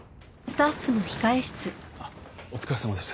あっお疲れさまです。